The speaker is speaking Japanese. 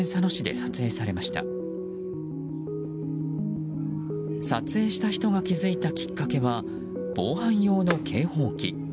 撮影した人が気付いたきっかけは防犯用の警報器。